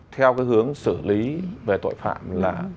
theo cái hướng xử lý về tội phạm là